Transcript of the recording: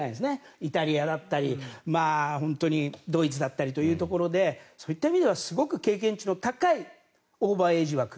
イタリアだったりドイツだったりというところでそういった意味ではすごく経験値の高いオーバーエイジ枠。